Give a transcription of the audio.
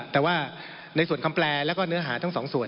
แต่ว่าในส่วนคำแปลแล้วก็เนื้อหาทั้งสองส่วน